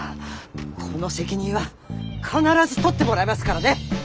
この責任は必ず取ってもらいますからね。